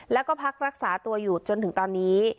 แล้วก็พักรักษาตัวอยู่จนถึงตอนนี้